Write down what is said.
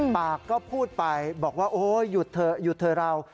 ปากก็พูดไปบอกว่าโอ๊ยหยุดเถอะหยุดเถอะเรา